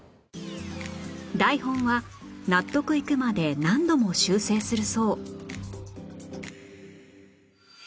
台本は納得いくまで何度も修正するそう